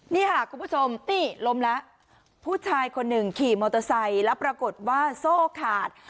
นี่ค่ะคุณผู้ชมนี่ล้มแล้วผู้ชายคนหนึ่งขี่มอเตอร์ไซค์แล้วปรากฏว่าโซ่ขาด